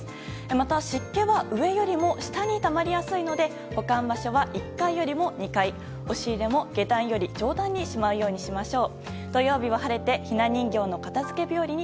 また、湿気は上よりも下にたまりやすいので保管場所は１階よりも２階押し入れも、下段より上段にしまうようにしましょう。